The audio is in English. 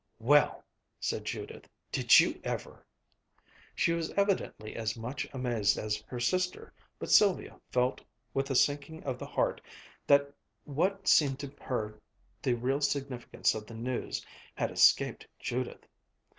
"Well " said Judith, "did you ever!" She was evidently as much amazed as her sister, but Sylvia felt with a sinking of the heart that what seemed to her the real significance of the news had escaped Judith.